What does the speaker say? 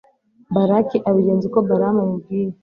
balaki abigenza uko balamu amubwiye